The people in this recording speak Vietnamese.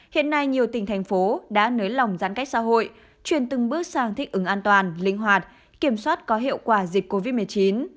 hiện nay nhiều tỉnh thành phố đã nới lỏng giãn cách xã hội truyền từng bước sang thích ứng an toàn linh hoạt kiểm soát có hiệu quả dịch covid một mươi chín